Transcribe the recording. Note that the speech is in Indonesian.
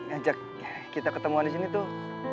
ajak kita ketemu disini tuh